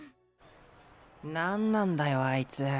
何なんだよあいつ！